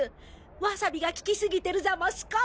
ワサビがききすぎてるざますか？